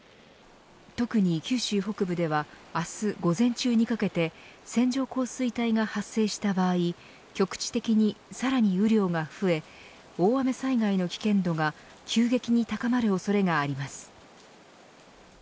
特に九州北部では明日午前中にかけて線状降水帯が発生した場合局地的にさらに雨量が増え大雨災害の危険度が急激に高まる恐れがあります。